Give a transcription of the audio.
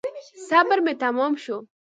صبر مي تمام شو .